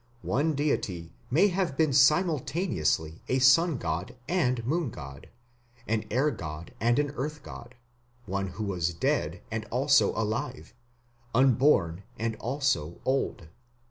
One deity may have been simultaneously a sun god and moon god, an air god and an earth god, one who was dead and also alive, unborn and also old.